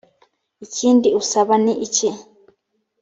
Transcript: ikindi usaba ni iki?